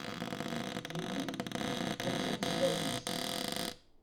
Yelli-m, ha-tt-an s tadist.